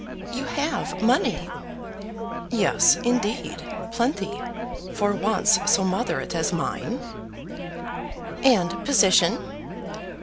"You have money." "Yes, indeed; plenty, for wants so moderate as mine." "And position."